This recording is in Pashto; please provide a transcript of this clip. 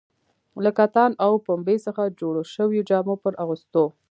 له کتان او پنبې څخه جوړو شویو جامو پر اغوستو.